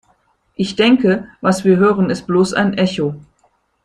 Ich denke, was wir hören, ist bloß ein Echo.